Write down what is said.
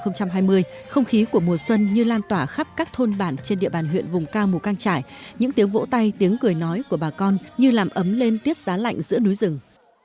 năm hai nghìn hai mươi không khí của mùa xuân như lan tỏa khắp các thôn bản trên địa bàn huyện vùng cao mù căng trải những tiếng vỗ tay tiếng cười nói của bà con như làm ấm lên tiết giá lạnh giữa núi rừng